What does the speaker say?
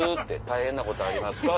「大変なことありますか？」